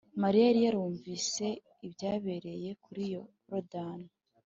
. Mariya yari yarumvise ibyabereye kuri Yorodani